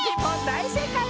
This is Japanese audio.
だいせいかい！